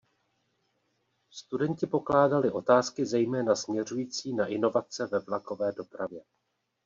Studenti pokládali otázky zejména směřující na inovace ve vlakové dopravě.